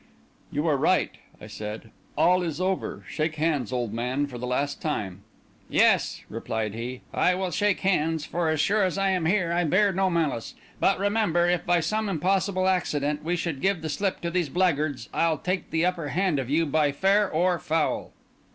"You were right," I said. "All is over. Shake hands, old man, for the last time." "Yes," replied he, "I will shake hands; for, as sure as I am here, I bear no malice. But, remember, if, by some impossible accident, we should give the slip to these blackguards, I'll take the upper hand of you by fair or foul."